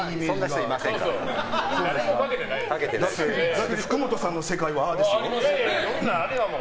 だって福本さんの世界はああですよ。